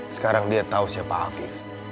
sekarang dia tahu siapa afif